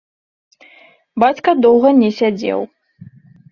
Бацька доўга не сядзеў.